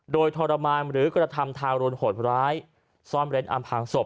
โดยทรมานหรือกระทำทารุณโหดร้ายซ่อนเร้นอำพางศพ